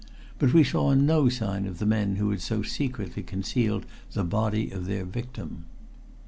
But we saw no sign of the men who had so secretly concealed the body of their victim.